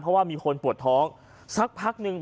เพราะว่ามีคนปวดท้องสักพักหนึ่ง